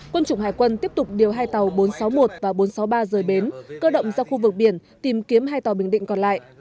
quân chủng hải quân tiếp tục điều hai tàu bốn trăm sáu mươi một và bốn trăm sáu mươi ba rời bến cơ động ra khu vực biển tìm kiếm hai tàu bình định còn lại